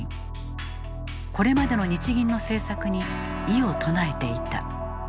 これまでの日銀の政策に異を唱えていた。